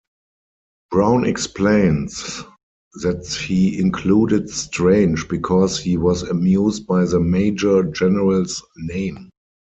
Brown explains that he included Strange because he was amused by the Major-General's name.